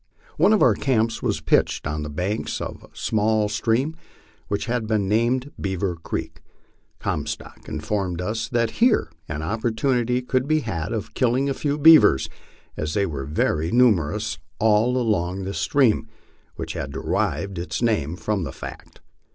One of our camps was pitched on the banks of a small stream which had been named Beaver Creek. Conistock informed us that here an opportunity could be had of killing a few beavers, as they were very numerous all along this stream, which had derived its name from that fact.